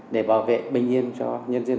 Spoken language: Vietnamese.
để bảo vệ bình yên cho nhân dân